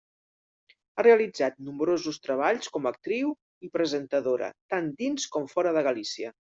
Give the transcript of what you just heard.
Ha realitzat nombrosos treballs com a actriu i presentadora tant dins com fora de Galícia.